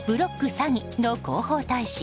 詐欺」の広報大使